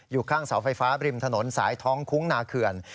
อยู่ข้างเสาไฟฟ้าบริมถนนสายท้องคุ้งนาเขื่อน